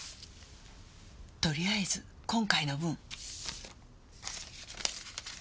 とりあえず今回の分。